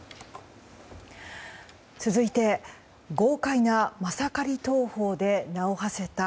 続いて豪快なマサカリ投法で名を馳せた